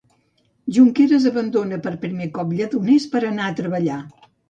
Junqueras abandona per primer cop Lledoners per anar a treballar.